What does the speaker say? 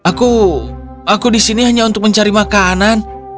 aku aku di sini hanya untuk mencari makanan